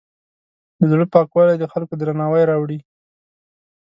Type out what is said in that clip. د زړۀ پاکوالی د خلکو درناوی راوړي.